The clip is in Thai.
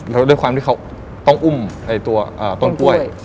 แล้วด้วยความที่เขาต้องอุ้มตัวต้นกล้วย